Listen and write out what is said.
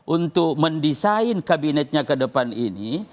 untuk mendesain kabinetnya ke depan ini